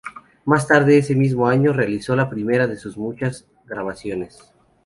Más tarde, ese mismo año, realizó la primera de sus muchas grabaciones.